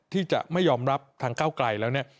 ที่จะไม่ยอมรับทางก้าวไกลแล้วเนี่ย